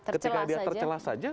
ketika dia tercelah saja